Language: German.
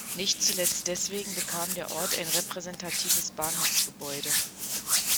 Nicht zuletzt deswegen bekam der Ort ein repräsentatives Bahnhofsgebäude.